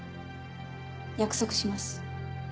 約束します。